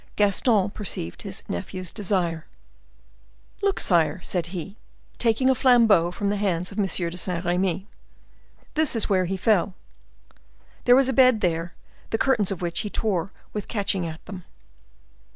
Gaston perceived his nephew's desire. "Look, sire," said he, taking a flambeaux from the hands of M. de Saint Remy, "this is where he fell. There was a bed there, the curtains of which he tore with catching at them."